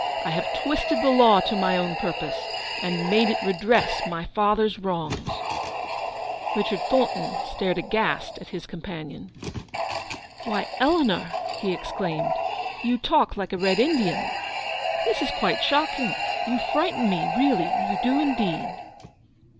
I have twisted the law to my own purpose, and made it redress my father's wrongs/ " Richard Thornton stared aghast at his com panion. iuchard Thornton's promise. 231 "Why, Eleanor/* lie exclaimed, "you talk like a Red Indian ! This is quite shocking. You frighten me, really; you do indeed."